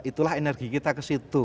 itulah energi kita kesitu